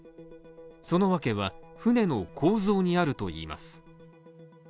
そのわけは、船の構造にあるといいます。